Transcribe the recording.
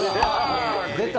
出た。